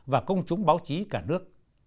và công chúng báo chí cả nước